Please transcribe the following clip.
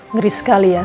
ngeri sekali ya